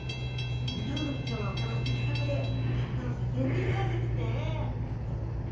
ヌタウナギちゃんはこの脊索で体を支えていたんですね